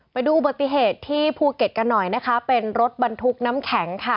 มาดูบติเหตุที่ภูเก็ตกันหน่อยเป็นรถบันทุกน้ำแข็ง